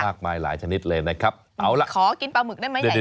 มากมายหลายชนิดเลยนะครับขอกินปลาหมึกได้ไหม